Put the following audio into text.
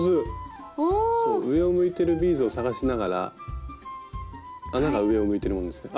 そう上を向いてるビーズを探しながら穴が上を向いてるものを見つけて。